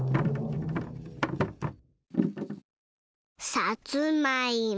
さつまいも。